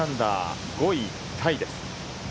５位タイです。